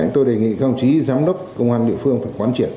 tôi đề nghị các hành chí giám đốc công an địa phương phải quán triển